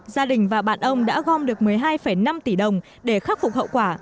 gia đình và bạn ông đã gom được một mươi hai năm tỷ đồng để khắc phục hậu quả